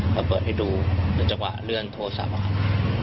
ประเบิดให้ดูจังหวะเลื่อนโทรศัพท์